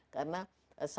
karena satgasnya berubah